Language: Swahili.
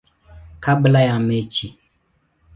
kabla ya mechi.